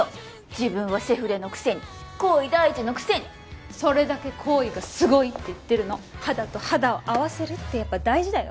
自分はセフレのくせに行為第一のくせにそれだけ行為がすごいって言ってるの肌と肌を合わせるってやっぱ大事だよ